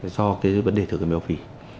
do cái vấn đề thừa cân béo phì